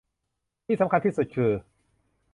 ที่สำคัญที่สุดคือ